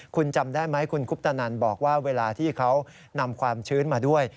คุณจำได้ไหมคุณคุปตนันบอกว่าเวลาที่เขานำความชื้นมาด้วย